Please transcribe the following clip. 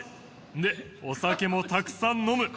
でお酒もたくさん飲む。